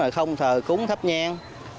không thờ cúng thấp nhan